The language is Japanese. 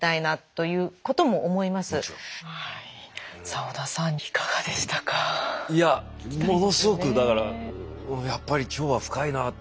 いやものすごくだからやっぱり腸は深いなって。